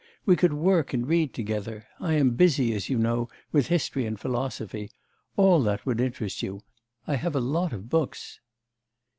We could work and read together.... I am busy, as you know, with history and philosophy. All that would interest you. I have a lot of books.